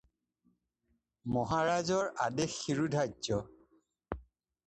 মাহাৰাজৰ আদেশ শিৰোধাৰ্য।